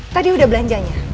tadi udah belanjanya